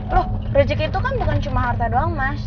loh rezeki itu kan bukan cuma harta doang mas